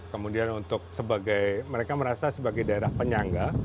kemudian mereka merasa sebagai daerah penyangga